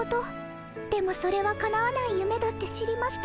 でもそれはかなわないゆめだって知りました。